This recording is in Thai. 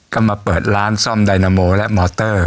ก็มาเปิดร้านซ่อมไดนาโมและมอเตอร์